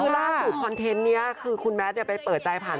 คุณมัชดูคอนเทนต์นี้คุณแมทไปเปิดใจผ่าน